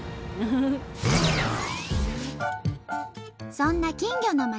そんな金魚の町